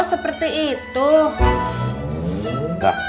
oh seperti itu iya gara gara agak gue ajak naik mobil gue